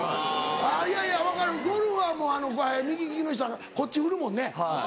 あぁいやいや分かるゴルフはもう右利きの人はこっち振るもんね